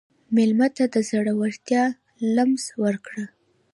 مېلمه ته د زړورتیا لمس ورکړه.